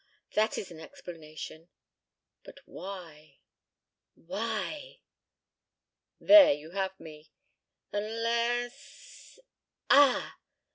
That is an explanation. But why why?" "There you have me ... unless ... Ah!"